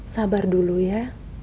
sabar dulu ya